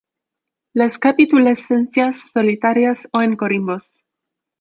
Las capitulescencias solitarias o en corimbos.